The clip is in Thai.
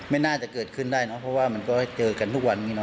ไม่น่าจะเกิดขึ้นได้เนอะเพราะว่ามันก็เจอกันทุกวันนี้เน